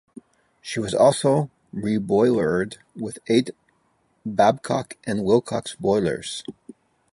She was also reboilered with eight Babcock and Wilcox boilers.